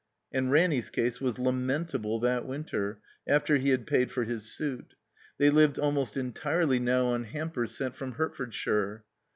And Ranny's case was lamentable that winter, after he had paid for his suit. They lived almost entirely now on hampers sent from Hertfordshire.